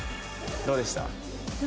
どうでした？